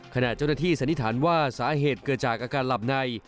ขณะเจ้าหน้าที่สันนิษฐานว่าสาเหตุเกิดจากอาการหลับใน